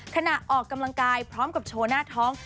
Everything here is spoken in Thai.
ขณะออกกำลังกายพร้อมกับโชว์หน้าท้อง